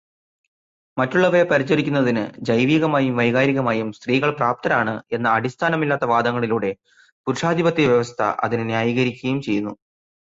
മറ്റുള്ളവരെ പരിചരിക്കുന്നതിനു ജൈവികമായും വൈകാരികമായും സ്ത്രീകൾ പ്രാപ്തരാണ് എന്ന അടിസ്ഥാമില്ലാത്ത വാദങ്ങളിലൂടെ പുരുഷാധിപത്യവ്യവസ്ഥ അതിനെ ന്യായീകരിക്കുകയും ചെയ്യുന്നു.